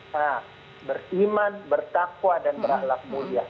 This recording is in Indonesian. nah beriman bertakwa dan berakhlak mulia